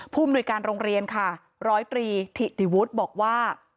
มนุยการโรงเรียนค่ะร้อยตรีถิติวุฒิบอกว่า